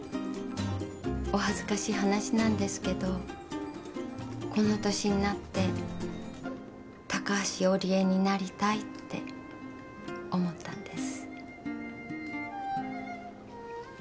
お恥ずかしい話なんですけどこの年になって高橋織江になりたいって思ったんです。